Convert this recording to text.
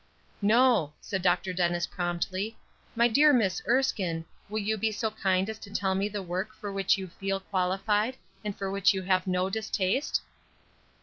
"No," said Dr. Dennis, promptly. "My dear Miss Erskine, will you be so kind as to tell me the work for which you feel qualified, and for which you have no distaste?"